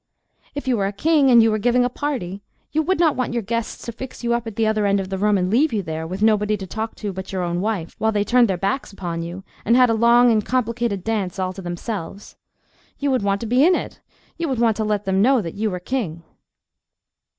If you were a king, and were giving a party, you would not want your guests to fix you up at the other end of the room and leave you there, with nobody to talk to but your own wife, while they turned their backs upon you, and had a long and complicated dance all to themselves. You would want to be in it; you would want to let them know that you were king.